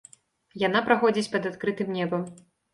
Яна праходзіць пад адкрытым небам.